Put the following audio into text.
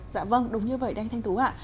dạ vâng đúng như vậy đánh thanh thú ạ